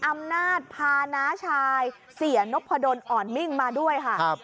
อำนาจพาน้าชายเสียนพดลอ่อนมิ่งมาด้วยค่ะ